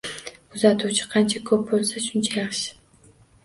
Kuzatuvchi qancha ko‘p bo‘lsa, shuncha yaxshi.